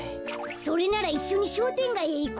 それならいっしょにしょうてんがいへいこうよ。